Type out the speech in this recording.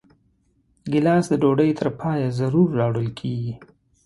ګیلاس د ډوډۍ تر پایه ضرور راوړل کېږي.